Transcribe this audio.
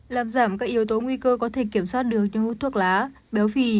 làm giảm các yếu tố nguy cơ có thể kiểm soát được như hút thuốc lá béo phì